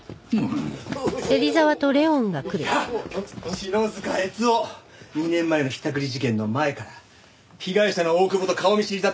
篠塚悦雄２年前のひったくり事件の前から被害者の大久保と顔見知りだった可能性出てきましたよ。